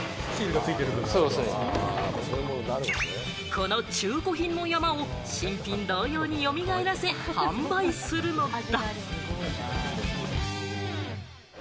この中古品の山を、新品同様に蘇らせ、販売するのだ。